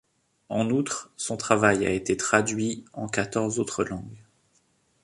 En outre, son travail a été traduit en quatorze autres langues.